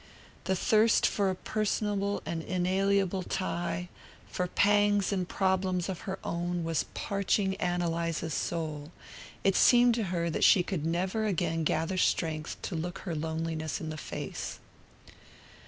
The thirst for a personal and inalienable tie, for pangs and problems of her own, was parching Ann Eliza's soul: it seemed to her that she could never again gather strength to look her loneliness in the face.